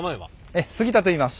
ええ杉田といいます。